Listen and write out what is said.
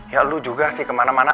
ya lu juga sih kemana mana